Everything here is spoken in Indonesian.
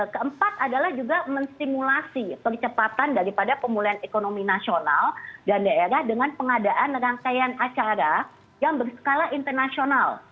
keempat adalah juga menstimulasi percepatan daripada pemulihan ekonomi nasional dan daerah dengan pengadaan rangkaian acara yang berskala internasional